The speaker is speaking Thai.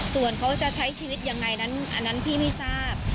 ส่วนเขาจะใช้ชีวิตยังไงนั้นอันนั้นพี่ไม่ทราบ